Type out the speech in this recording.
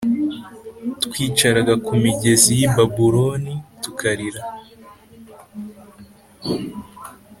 Twicaraga ku migezi y i Babuloni Tukarira